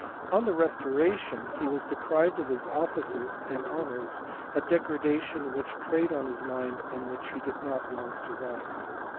On the restoration he was deprived of his offices and honours, a degradation which preyed on his mind and which he did not long survive.